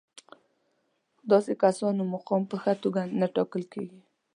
داسې کسانو مقام په ښه توګه نه ټاکل کېږي.